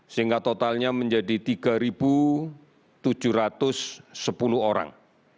sehingga totalnya menjadi tiga tujuh ratus sepuluh orang